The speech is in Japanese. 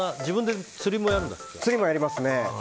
釣りもやりますね。